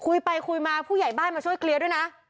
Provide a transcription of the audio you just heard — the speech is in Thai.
คุยไปคุยมาผู้ใหญ่บ้านมาช่วยเคลียร์ด้วยนะ